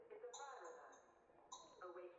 د کلیزو منظره د افغانستان د ښاري پراختیا سبب کېږي.